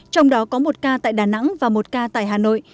trong đó có một ca tại đà nẵng và một ca tại hà nội